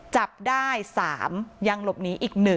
จับได้๓ยังหลบหนีอีก๑